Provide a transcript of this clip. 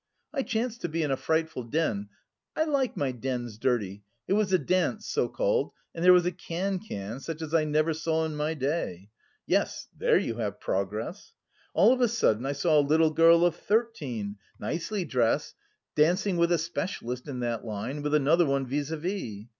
I chanced to be in a frightful den I like my dens dirty it was a dance, so called, and there was a cancan such as I never saw in my day. Yes, there you have progress. All of a sudden I saw a little girl of thirteen, nicely dressed, dancing with a specialist in that line, with another one vis à vis.